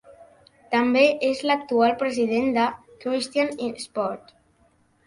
També és l'actual president de "Christians In Sport".